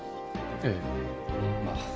ええまあ。